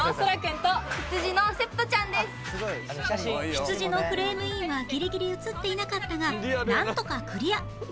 ヒツジのフレームインはぎりぎり映っていなかったがなんとかクリア